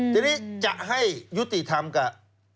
ทีนี้จะให้ยุติธรรมกับ